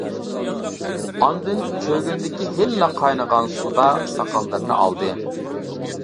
ئاندىن چۆگۈندىكى ھېلىلا قاينىغان سۇدا ساقاللىرىنى ئالدى.